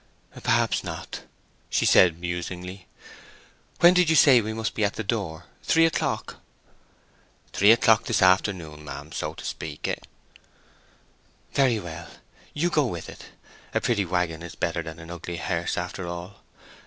"Perhaps not," she said, musingly. "When did you say we must be at the door—three o'clock?" "Three o'clock this afternoon, ma'am, so to speak it." "Very well—you go with it. A pretty waggon is better than an ugly hearse, after all.